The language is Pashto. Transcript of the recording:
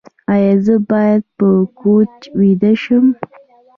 ایا زه باید په کوچ ویده شم؟